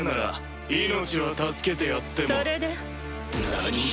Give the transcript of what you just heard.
何？